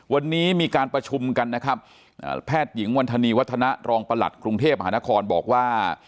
วันนี้มีการประชุมกันนะครับแพทย์หญิงวันธนีวัฒนะรองประหลัดกรุงเทพมหานครบอกว่า